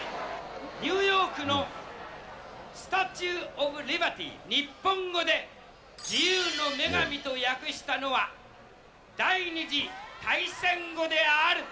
ニューヨークの、スタチュー・オブ・リバティー、日本語で自由の女神と訳したのは、第２次大戦後である。